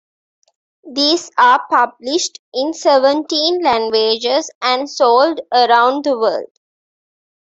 These are published in seventeen languages and sold around the world.